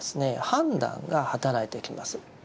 判断が働いてきます。